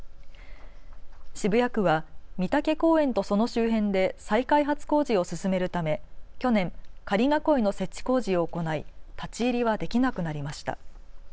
渋谷区は美竹公園とその周辺で再開発工事を進めるため去年、仮囲いの設置工事を行い立ち入りはできなくなりました。